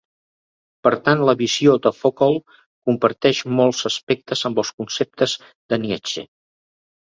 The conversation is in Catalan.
Per tant, la visió de Foucault comparteix molts aspectes amb els conceptes de Nietzsche.